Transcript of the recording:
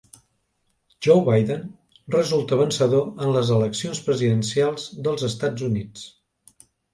Joe Biden resulta vencedor en les eleccions presidencials dels Estats Units.